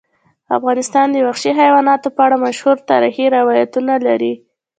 افغانستان د وحشي حیواناتو په اړه مشهور تاریخی روایتونه لري.